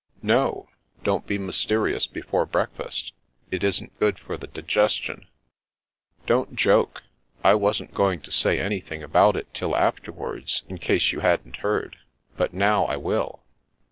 " No. Don't be mysterious before breakfast. It isn't good for the digestion." "Don't joke. I wasn't going to say anything about it till afterwards, in case you hadn't heard ; but now I will.